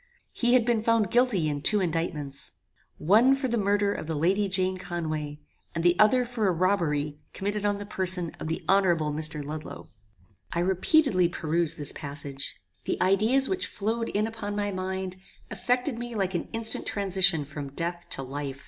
He had been found guilty in two indictments. One for the murder of the Lady Jane Conway, and the other for a robbery committed on the person of the honorable Mr. Ludloe. "I repeatedly perused this passage. The ideas which flowed in upon my mind, affected me like an instant transition from death to life.